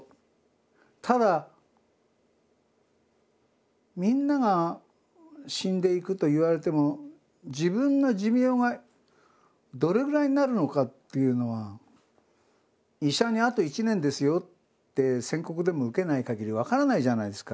ただみんなが死んでいくといわれても自分の寿命がどれぐらいになるのかっていうのは医者に「あと１年ですよ」って宣告でも受けないかぎり分からないじゃないですか。